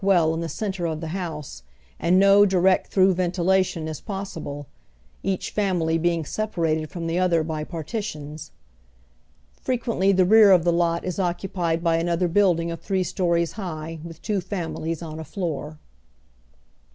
a darli WcU 'ill tllC centre of the honse, and no direct through ventilation is possible, each family being separated from the othei' by partitions. Fre quently the rear of the lot is ocenpied byanother bnilding of three stories liigh with two families on a floor."